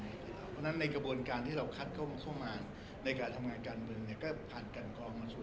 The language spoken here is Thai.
เพราะฉะนั้นในกระบวนการที่เราคัดเข้ามาในการทำงานการเมืองก็ผ่านกันกรองมาสู่